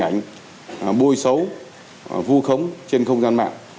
hình ảnh bôi xấu vu khống trên không gian mạng